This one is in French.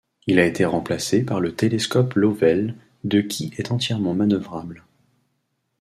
Il a été remplacé par le télescope Lovell de qui est entièrement manœuvrable.